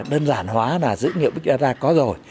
đơn giản hóa là dữ liệu big dara có rồi